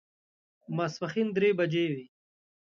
ماسپښین درې بجې وې.